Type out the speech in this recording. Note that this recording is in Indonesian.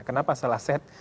kenapa salah set